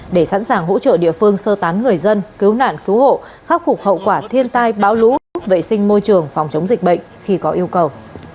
để sẵn sàng hỗ trợ địa phương sơ tán người dân cứu nạn cứu hộ khắc phục hậu quả thiên tai bão lũ vệ sinh môi trường phòng chống dịch bệnh khi có yêu cầu